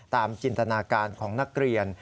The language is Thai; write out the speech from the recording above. จินตนาการของนักเรียน